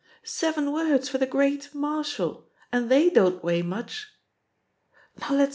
"Seven words for the *great' Marshall, and the^ don't weigh much.